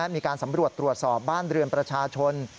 มีการสำรวจตรวจสอบบ้านเรือนประชาชน